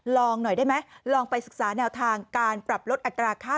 ลองหน่อยได้ไหมลองไปศึกษาแนวทางการปรับลดอัตราค่า